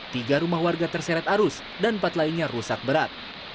tiga rumah warga terseret arus dan empat lainnya rusak berat